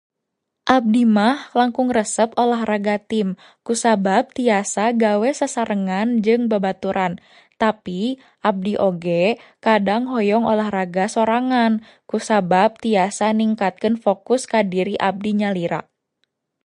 Abdi mah langkung resep olahraga tim kusaba tiasa gawe sasarengan jeung babaturan, tapi abdi oge kadang hoyong olahraga sorangan kusabab tiasa ningkatkeun fokus ka diri abdi nyalira.